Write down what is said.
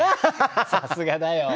さすがだよ。